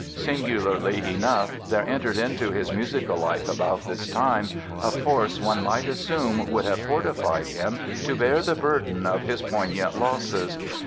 Singularly enough, there entered into his musical life about this time a force one might assume would have fortified him to bear the burden of his poignant losses.